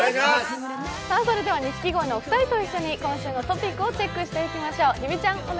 それでは錦鯉のお二人と一緒に、今週のトピックをチェックしていきましょう。